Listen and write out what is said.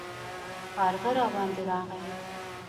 کارغه راباندې راغی